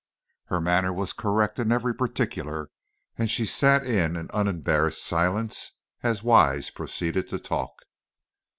Her manner was correct in every particular, and she sat in an unembarrassed silence as Wise proceeded to talk.